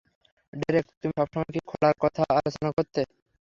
Derek, তুমি সবসময় কী খোলার কথা আলোচনা করতে?